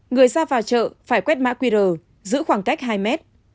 người ra vào chợ phải quét mã qr giữ khoảng cách hai mét